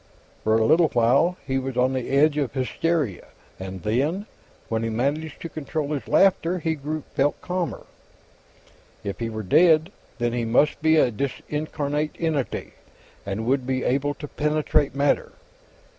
For a little while, he was on the edge of hysteria and then, when he managed to control his laughter, he felt calmer. If he were dead, then he must be a discarnate entity, and would be able to penetrate matter.